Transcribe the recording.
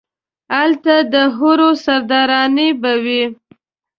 الته ده حورو سرداراني به وي